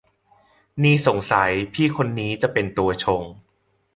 นี่สงสัยพี่คนนี้จะเป็นตัวชง